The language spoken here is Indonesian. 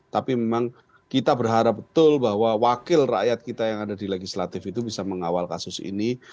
tapi memang kita berharap betul bahwa wakil rakyat kita yang ada di legislatif itu bisa mengawal kasus ini